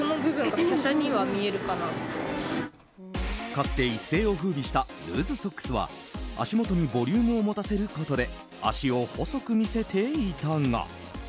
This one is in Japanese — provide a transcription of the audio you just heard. かつて一世を風靡したルーズソックスは足元にボリュームを持たせることで脚を細く見せていたが。